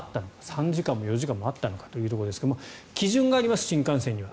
３時間も４時間もあったのかというところですが基準があります、新幹線には。